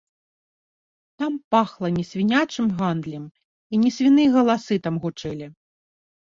Там пахла не свінячым гандлем, і не свіныя галасы там гучэлі.